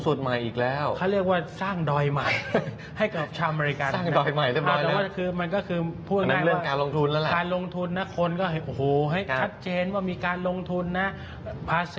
สุดท้ายแล้วโดยรวมแล้วนี่ก็ต้องถือว่าเป็นข่าวดีของอเมริกา